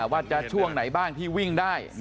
ว่าจะช่วงไหนบ้างที่วิ่งได้